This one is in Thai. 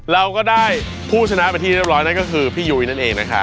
เราก็ได้ผู้ชนะไปที่เรียบร้อยนั่นก็คือพี่ยุ้ยนั่นเองนะครับ